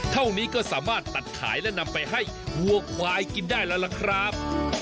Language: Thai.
เท่านี้ก็สามารถตัดขายและนำไปให้วัวควายกินได้แล้วล่ะครับ